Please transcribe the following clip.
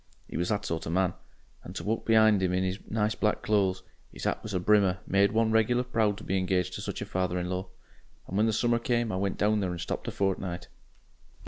'E was that sort of man. And to walk be'ind 'im in 'is nice black clo'es 'is 'at was a brimmer made one regular proud to be engaged to such a father in law. And when the summer came I went down there and stopped a fortnight.